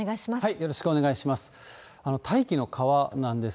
よろしくお願いします。